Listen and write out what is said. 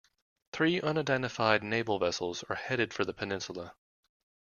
Three unidentified naval vessels are heading for the peninsula.